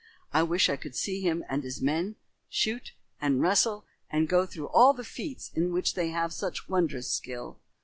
"I wish I could see him and his men shoot and wrestle and go through all the feats in which they have such wondrous skill.